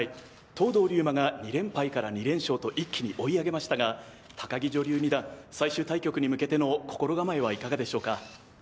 藤堂竜馬が２連敗から２連勝と一気に追い上げましたが高城女流二段最終対局に向けての心構えはいかがでしょうか？